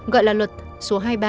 gọi là luật số hai mươi ba